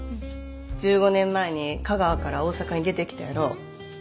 １５年前に香川から大阪に出てきたやろ。